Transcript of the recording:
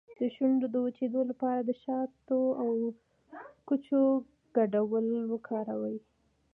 د شونډو د وچیدو لپاره د شاتو او کوچو ګډول وکاروئ